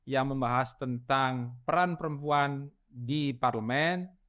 yang membahas tentang peran perempuan di parlemen